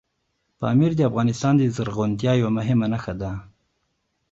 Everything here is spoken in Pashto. پامیر د افغانستان د زرغونتیا یوه مهمه نښه ده.